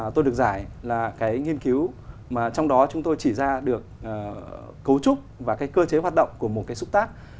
tôi được giải là cái nghiên cứu mà trong đó chúng tôi chỉ ra được cấu trúc và cái cơ chế hoạt động của một cái xúc tác